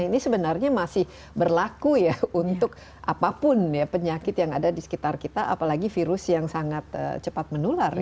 ini sebenarnya masih berlaku ya untuk apapun ya penyakit yang ada di sekitar kita apalagi virus yang sangat cepat menular